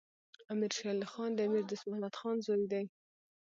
امیر شیر علی خان د امیر دوست محمد خان زوی دی.